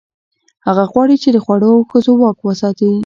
هغه غواړي، چې د خوړو او ښځو واک وساتي.